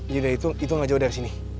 itu gak jauh dari sini